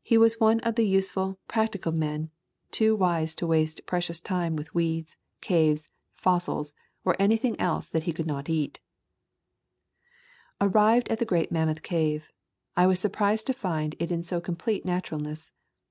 He was one of the useful, practical men — too wise to waste [ 10 ] Kentucky Forests and Caves precious time with weeds, caves, fossils, or any thing else that he could not eat. Arrived at the great Mammoth Cave. I was surprised to find it in so complete naturalness.